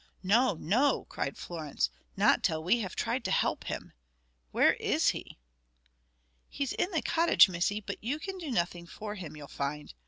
"No! no!" cried Florence. "Not till we have tried to help him. Where is he?" "He's in the cottage, Missy, but you can do nothing for him, you'll find.